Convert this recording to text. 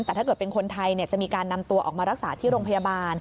แต่ถ้าเกิดเป็นคนไทยจะมีการนำตัวออกมารักษาที่โรงพยาบาล